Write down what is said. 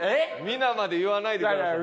皆まで言わないでください。